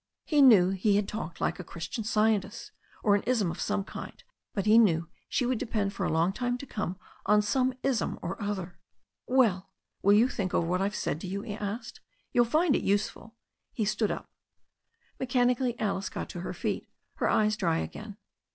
He knew he had talked like a Christian Scientist, or an ism of some kind, but he knew she would depend for a long time to come on some ism or other. "Well, will you think over what I've said to you?" he asked. "You'll find it useful." He stood up. Mechanically Alice got to her feet, her eyes dry again.